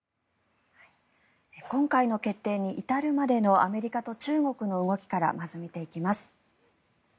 今回の決定に至るまでのアメリカと中国の動きからまず、見ていきます。